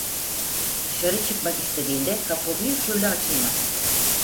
Dışarı çıkmak istediğinde kapı bir türlü açılmaz.